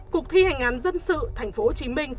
cục thi hành án dân sự tp hcm